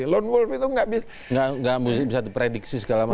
lone wolf itu nggak bisa diprediksi segala macam